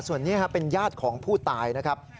ส่วนนี้เป็นญาติของผู้ตายนะครับ